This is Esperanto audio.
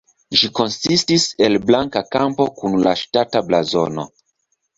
Ĝi konsistis el blanka kampo kun la ŝtata blazono.